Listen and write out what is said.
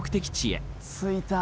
着いた。